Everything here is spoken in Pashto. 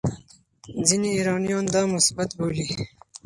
ځینې ایرانیان دا مثبت بولي.